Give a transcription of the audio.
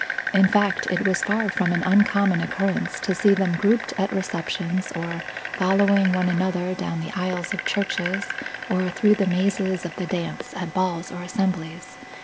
In fact, it was far from an uncommon occurrence to see them grouped at receptions or following one another down the aisles of churches or through the mazes of the dance at balls or assemblies.